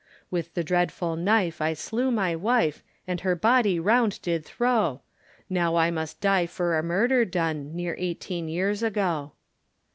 With the dreadful knife I slew my wife, And her body round did throw, Now I must die for a murder done, Near eighteen years ago.